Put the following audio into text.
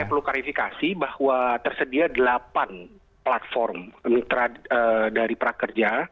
saya perlu klarifikasi bahwa tersedia delapan platform mitra dari prakerja